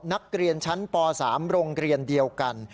นักเรียนชั้นป๓โรงเรียนเดียวกัน